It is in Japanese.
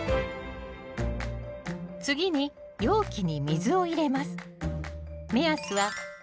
次に容器に水を入れます。